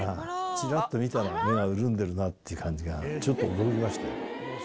ちらっと見たら、目が潤んでるなって感じが、ちょっと驚きましたよ。